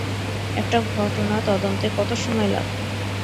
একটি ঘটনা তদন্তে কত সময় লাগে?